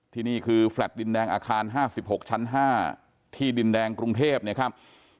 ที่นี่คือแฟลต์ดินแดงอาคาร๕๖ชั้น๕ที่ดินแดงกรุงเทพนะครับ